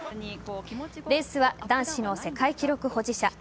レースは男子の世界記録保持者